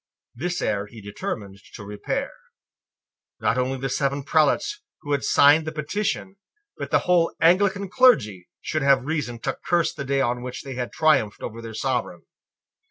This error he determined to repair. Not only the seven prelates who had signed the petition, but the whole Anglican clergy, should have reason to curse the day on which they had triumphed over their Sovereign.